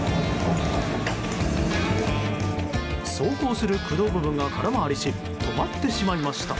走行する駆動部分が空回りし止まってしまいました。